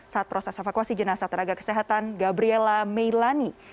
saat proses evakuasi jenazah tenaga kesehatan gabriela meilani